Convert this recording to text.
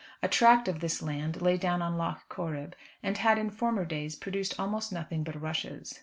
A tract of this land lay down on Lough Corrib, and had in former days produced almost nothing but rushes.